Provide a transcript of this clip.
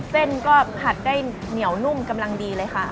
เส้นก็ผัดได้เหนียวนุ่มกำลังดีเลยค่ะ